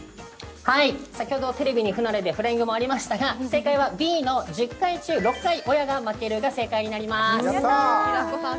はい先ほどテレビに不慣れでフライングもありましたが正解はＢの１０回中６回親が負けるが正解になります平子さん